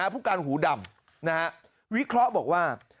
ผู้การหูดำวิเคราะห์บอกว่า